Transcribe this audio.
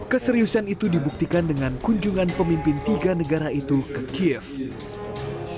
meski tidak lagi berharap dari nato zelensky senang negara negara tetangga ukraina membantu negaranya